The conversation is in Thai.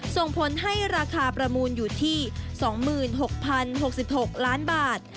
ส่งผลให้ราคาประมูลอยู่ที่๒๖๐๖๖ล้านบาท